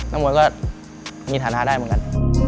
มวยก็มีฐานะได้เหมือนกัน